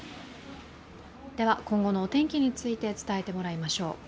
今後のお天気について伝えてもらいましょう。